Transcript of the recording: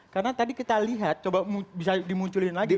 karena tadi kita lihat coba bisa dimunculin lagi